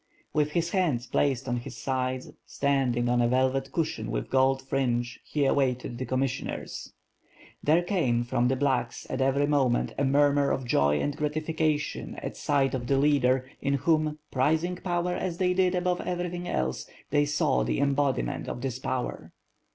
With his hands placed on his sides, standing on a velvet cushion with gold fringe he awaited the commissioners. Therg came from the "blacks" at every moment, a murmur of joy and gratifica tion at sight of the leader, in whom, prizing power as they did above everything else, they saw the embodiment of this power.